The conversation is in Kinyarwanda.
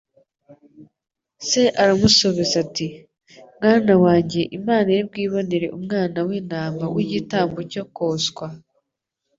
Se aramusubiza ati ''Mwana wanjye Imana iri bwibonere umwana w'Intama w'igitambo cyo koswa